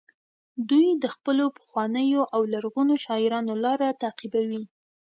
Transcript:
دوی د خپلو پخوانیو او لرغونو شاعرانو لاره تعقیبوي